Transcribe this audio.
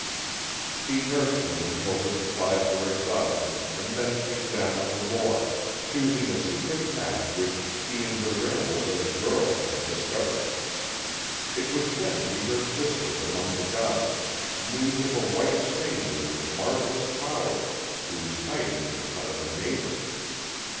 She nursed him until her supplies were exhausted and then came down for more, choosing a secret path which she in her rambles as a girl had discovered. It was then she heard whispered among the gossips news of a white stranger with marvelous powers who was hiding in the hut of a neighbor.